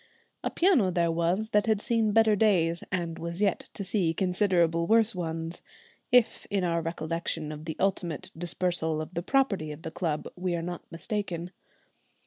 A piano there was that had seen better days, and was yet to see considerably worse ones, if in our recollection of the ultimate dispersal of the property of the club we are not mistaken.